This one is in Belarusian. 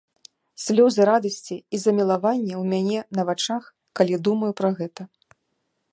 Слёзы радасці і замілавання ў мяне на вачах, калі думаю пра гэта.